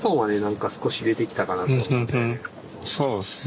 そうですね。